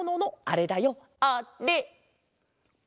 あれ！